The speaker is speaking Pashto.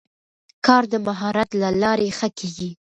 کار د مهارت له لارې ښه کېږي